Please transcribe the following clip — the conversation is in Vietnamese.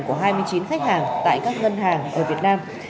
của hai mươi chín khách hàng tại các ngân hàng ở việt nam